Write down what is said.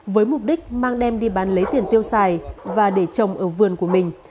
với mục đích mang đem đi bán lấy tiền tiêu xài và để trồng ở vườn của mình